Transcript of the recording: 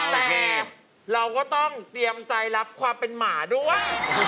แต่เราก็ต้องเตรียมใจรับความเป็นหมาด้วย